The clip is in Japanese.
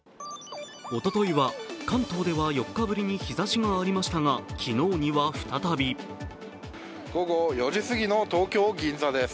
おとといは関東では４日ぶりに日ざしがありましたが昨日には再び午後４時すぎの東京・銀座です。